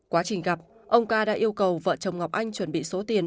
quá trình gặp ông ca đã yêu cầu vợ chồng ngọc anh chuẩn bị số tiền